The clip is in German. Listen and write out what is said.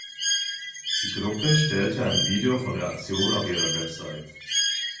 Die Gruppe stellte ein Video von der Aktion auf ihre Website.